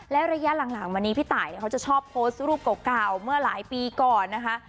และระยะหลังมานี้พี่ตายเขาจะชอบโพสต์รูปเก่าเมื่อหลายปีก่อนนะคะ